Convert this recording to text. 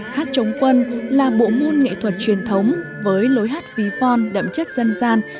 hát chống quân là bộ môn nghệ thuật truyền thống với lối hát ví von đậm chất dân gian